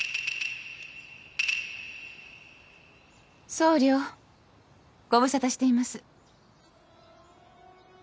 総領ご無沙汰しています。